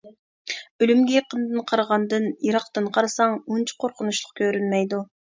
ئۆلۈمگە يېقىندىن قارىغاندىن، يىراقتىن قارىساڭ ئۇنچە قورقۇنچلۇق كۆرۈنمەيدۇ.